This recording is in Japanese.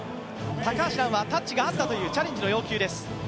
高橋藍はタッチがあったというチャレンジの要求です。